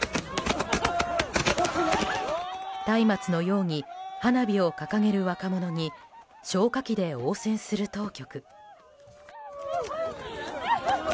たいまつのように花火を掲げる若者に消火器で応戦する当局。